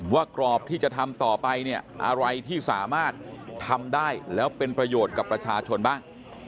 กรอบที่จะทำต่อไปเนี่ยอะไรที่สามารถทำได้แล้วเป็นประโยชน์กับประชาชนบ้าง